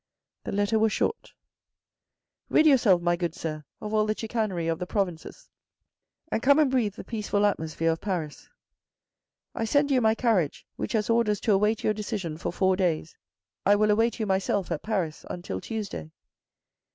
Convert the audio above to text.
The letter was short :—" Rid yourself, my good sir, of all the chicanery of the provinces and come and breathe the peaceful atmosphere of Paris. I send you my carriage which has orders to await your decision for four days. I will await you myself at Paris until Tuesday.